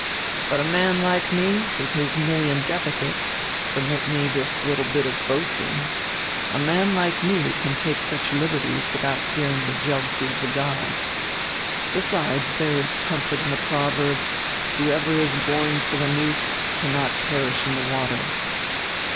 But a man like me, with his million deficit — permit me this little bit of boasting — a man like me can take such liberties without fearing die jealousy of die gods. Besides, there is comfort in the proverb, 'Who ever is born for die noose cannot perish in die water.'"